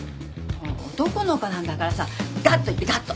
男の子なんだからさガッといってガッと！